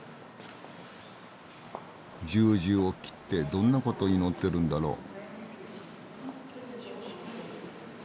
十字を切ってどんなこと祈ってるんだろう？